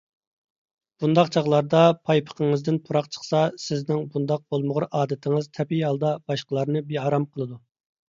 بۇنداق چاغلاردا پايپىقىڭىزدىن پۇراق چىقسا، سىزنىڭ بۇنداق بولمىغۇر ئادىتىڭىز تەبىئىي ھالدا باشقىلارنى بىئارام قىلىدۇ.